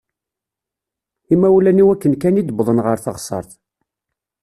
Imawlan-iw akken kan i d-wwḍen ɣer teɣsert.